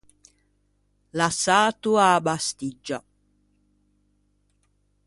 L’assato a-a Bastiggia.